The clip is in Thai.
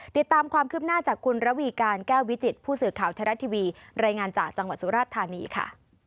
ติดตามความคืบหน้าจากคุณระวีการแก้ววิจิตผู้สื่อข่าวไทยรัฐทีวีรายงานจากจังหวัดสุราชธานีค่ะ